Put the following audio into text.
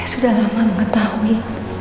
saya sudah lama mengetahui